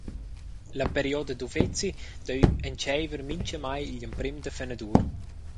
La perioda d’uffeci duei entscheiver mintgamai igl emprem da fenadur.